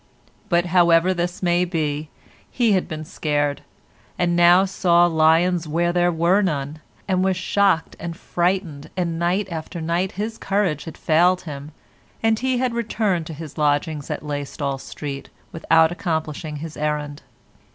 But, however this may be, he had been scared, and now saw lions where there were none, and was shocked and frightened, and night after night his courage had failed him and he had returned to his lodgings in Laystall Street without accomplishing his errand.